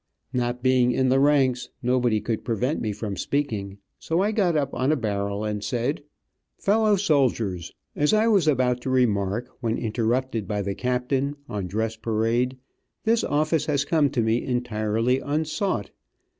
Not being in the ranks, nobody could prevent me from speaking, so I got up on a barrel, and said: "Fellow Soldiers: As I was about to remark, when interrupted by the captain, on dress parade, this office has come to me entirely unsought.